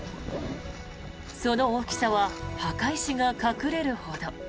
その大きさは墓石が隠れるほど。